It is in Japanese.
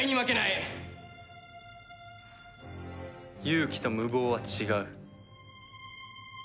勇気と無謀は違う。